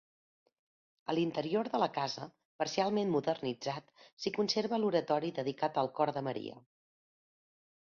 A l'interior de la casa, parcialment modernitzat, s'hi conserva l'oratori dedicat al cor de Maria.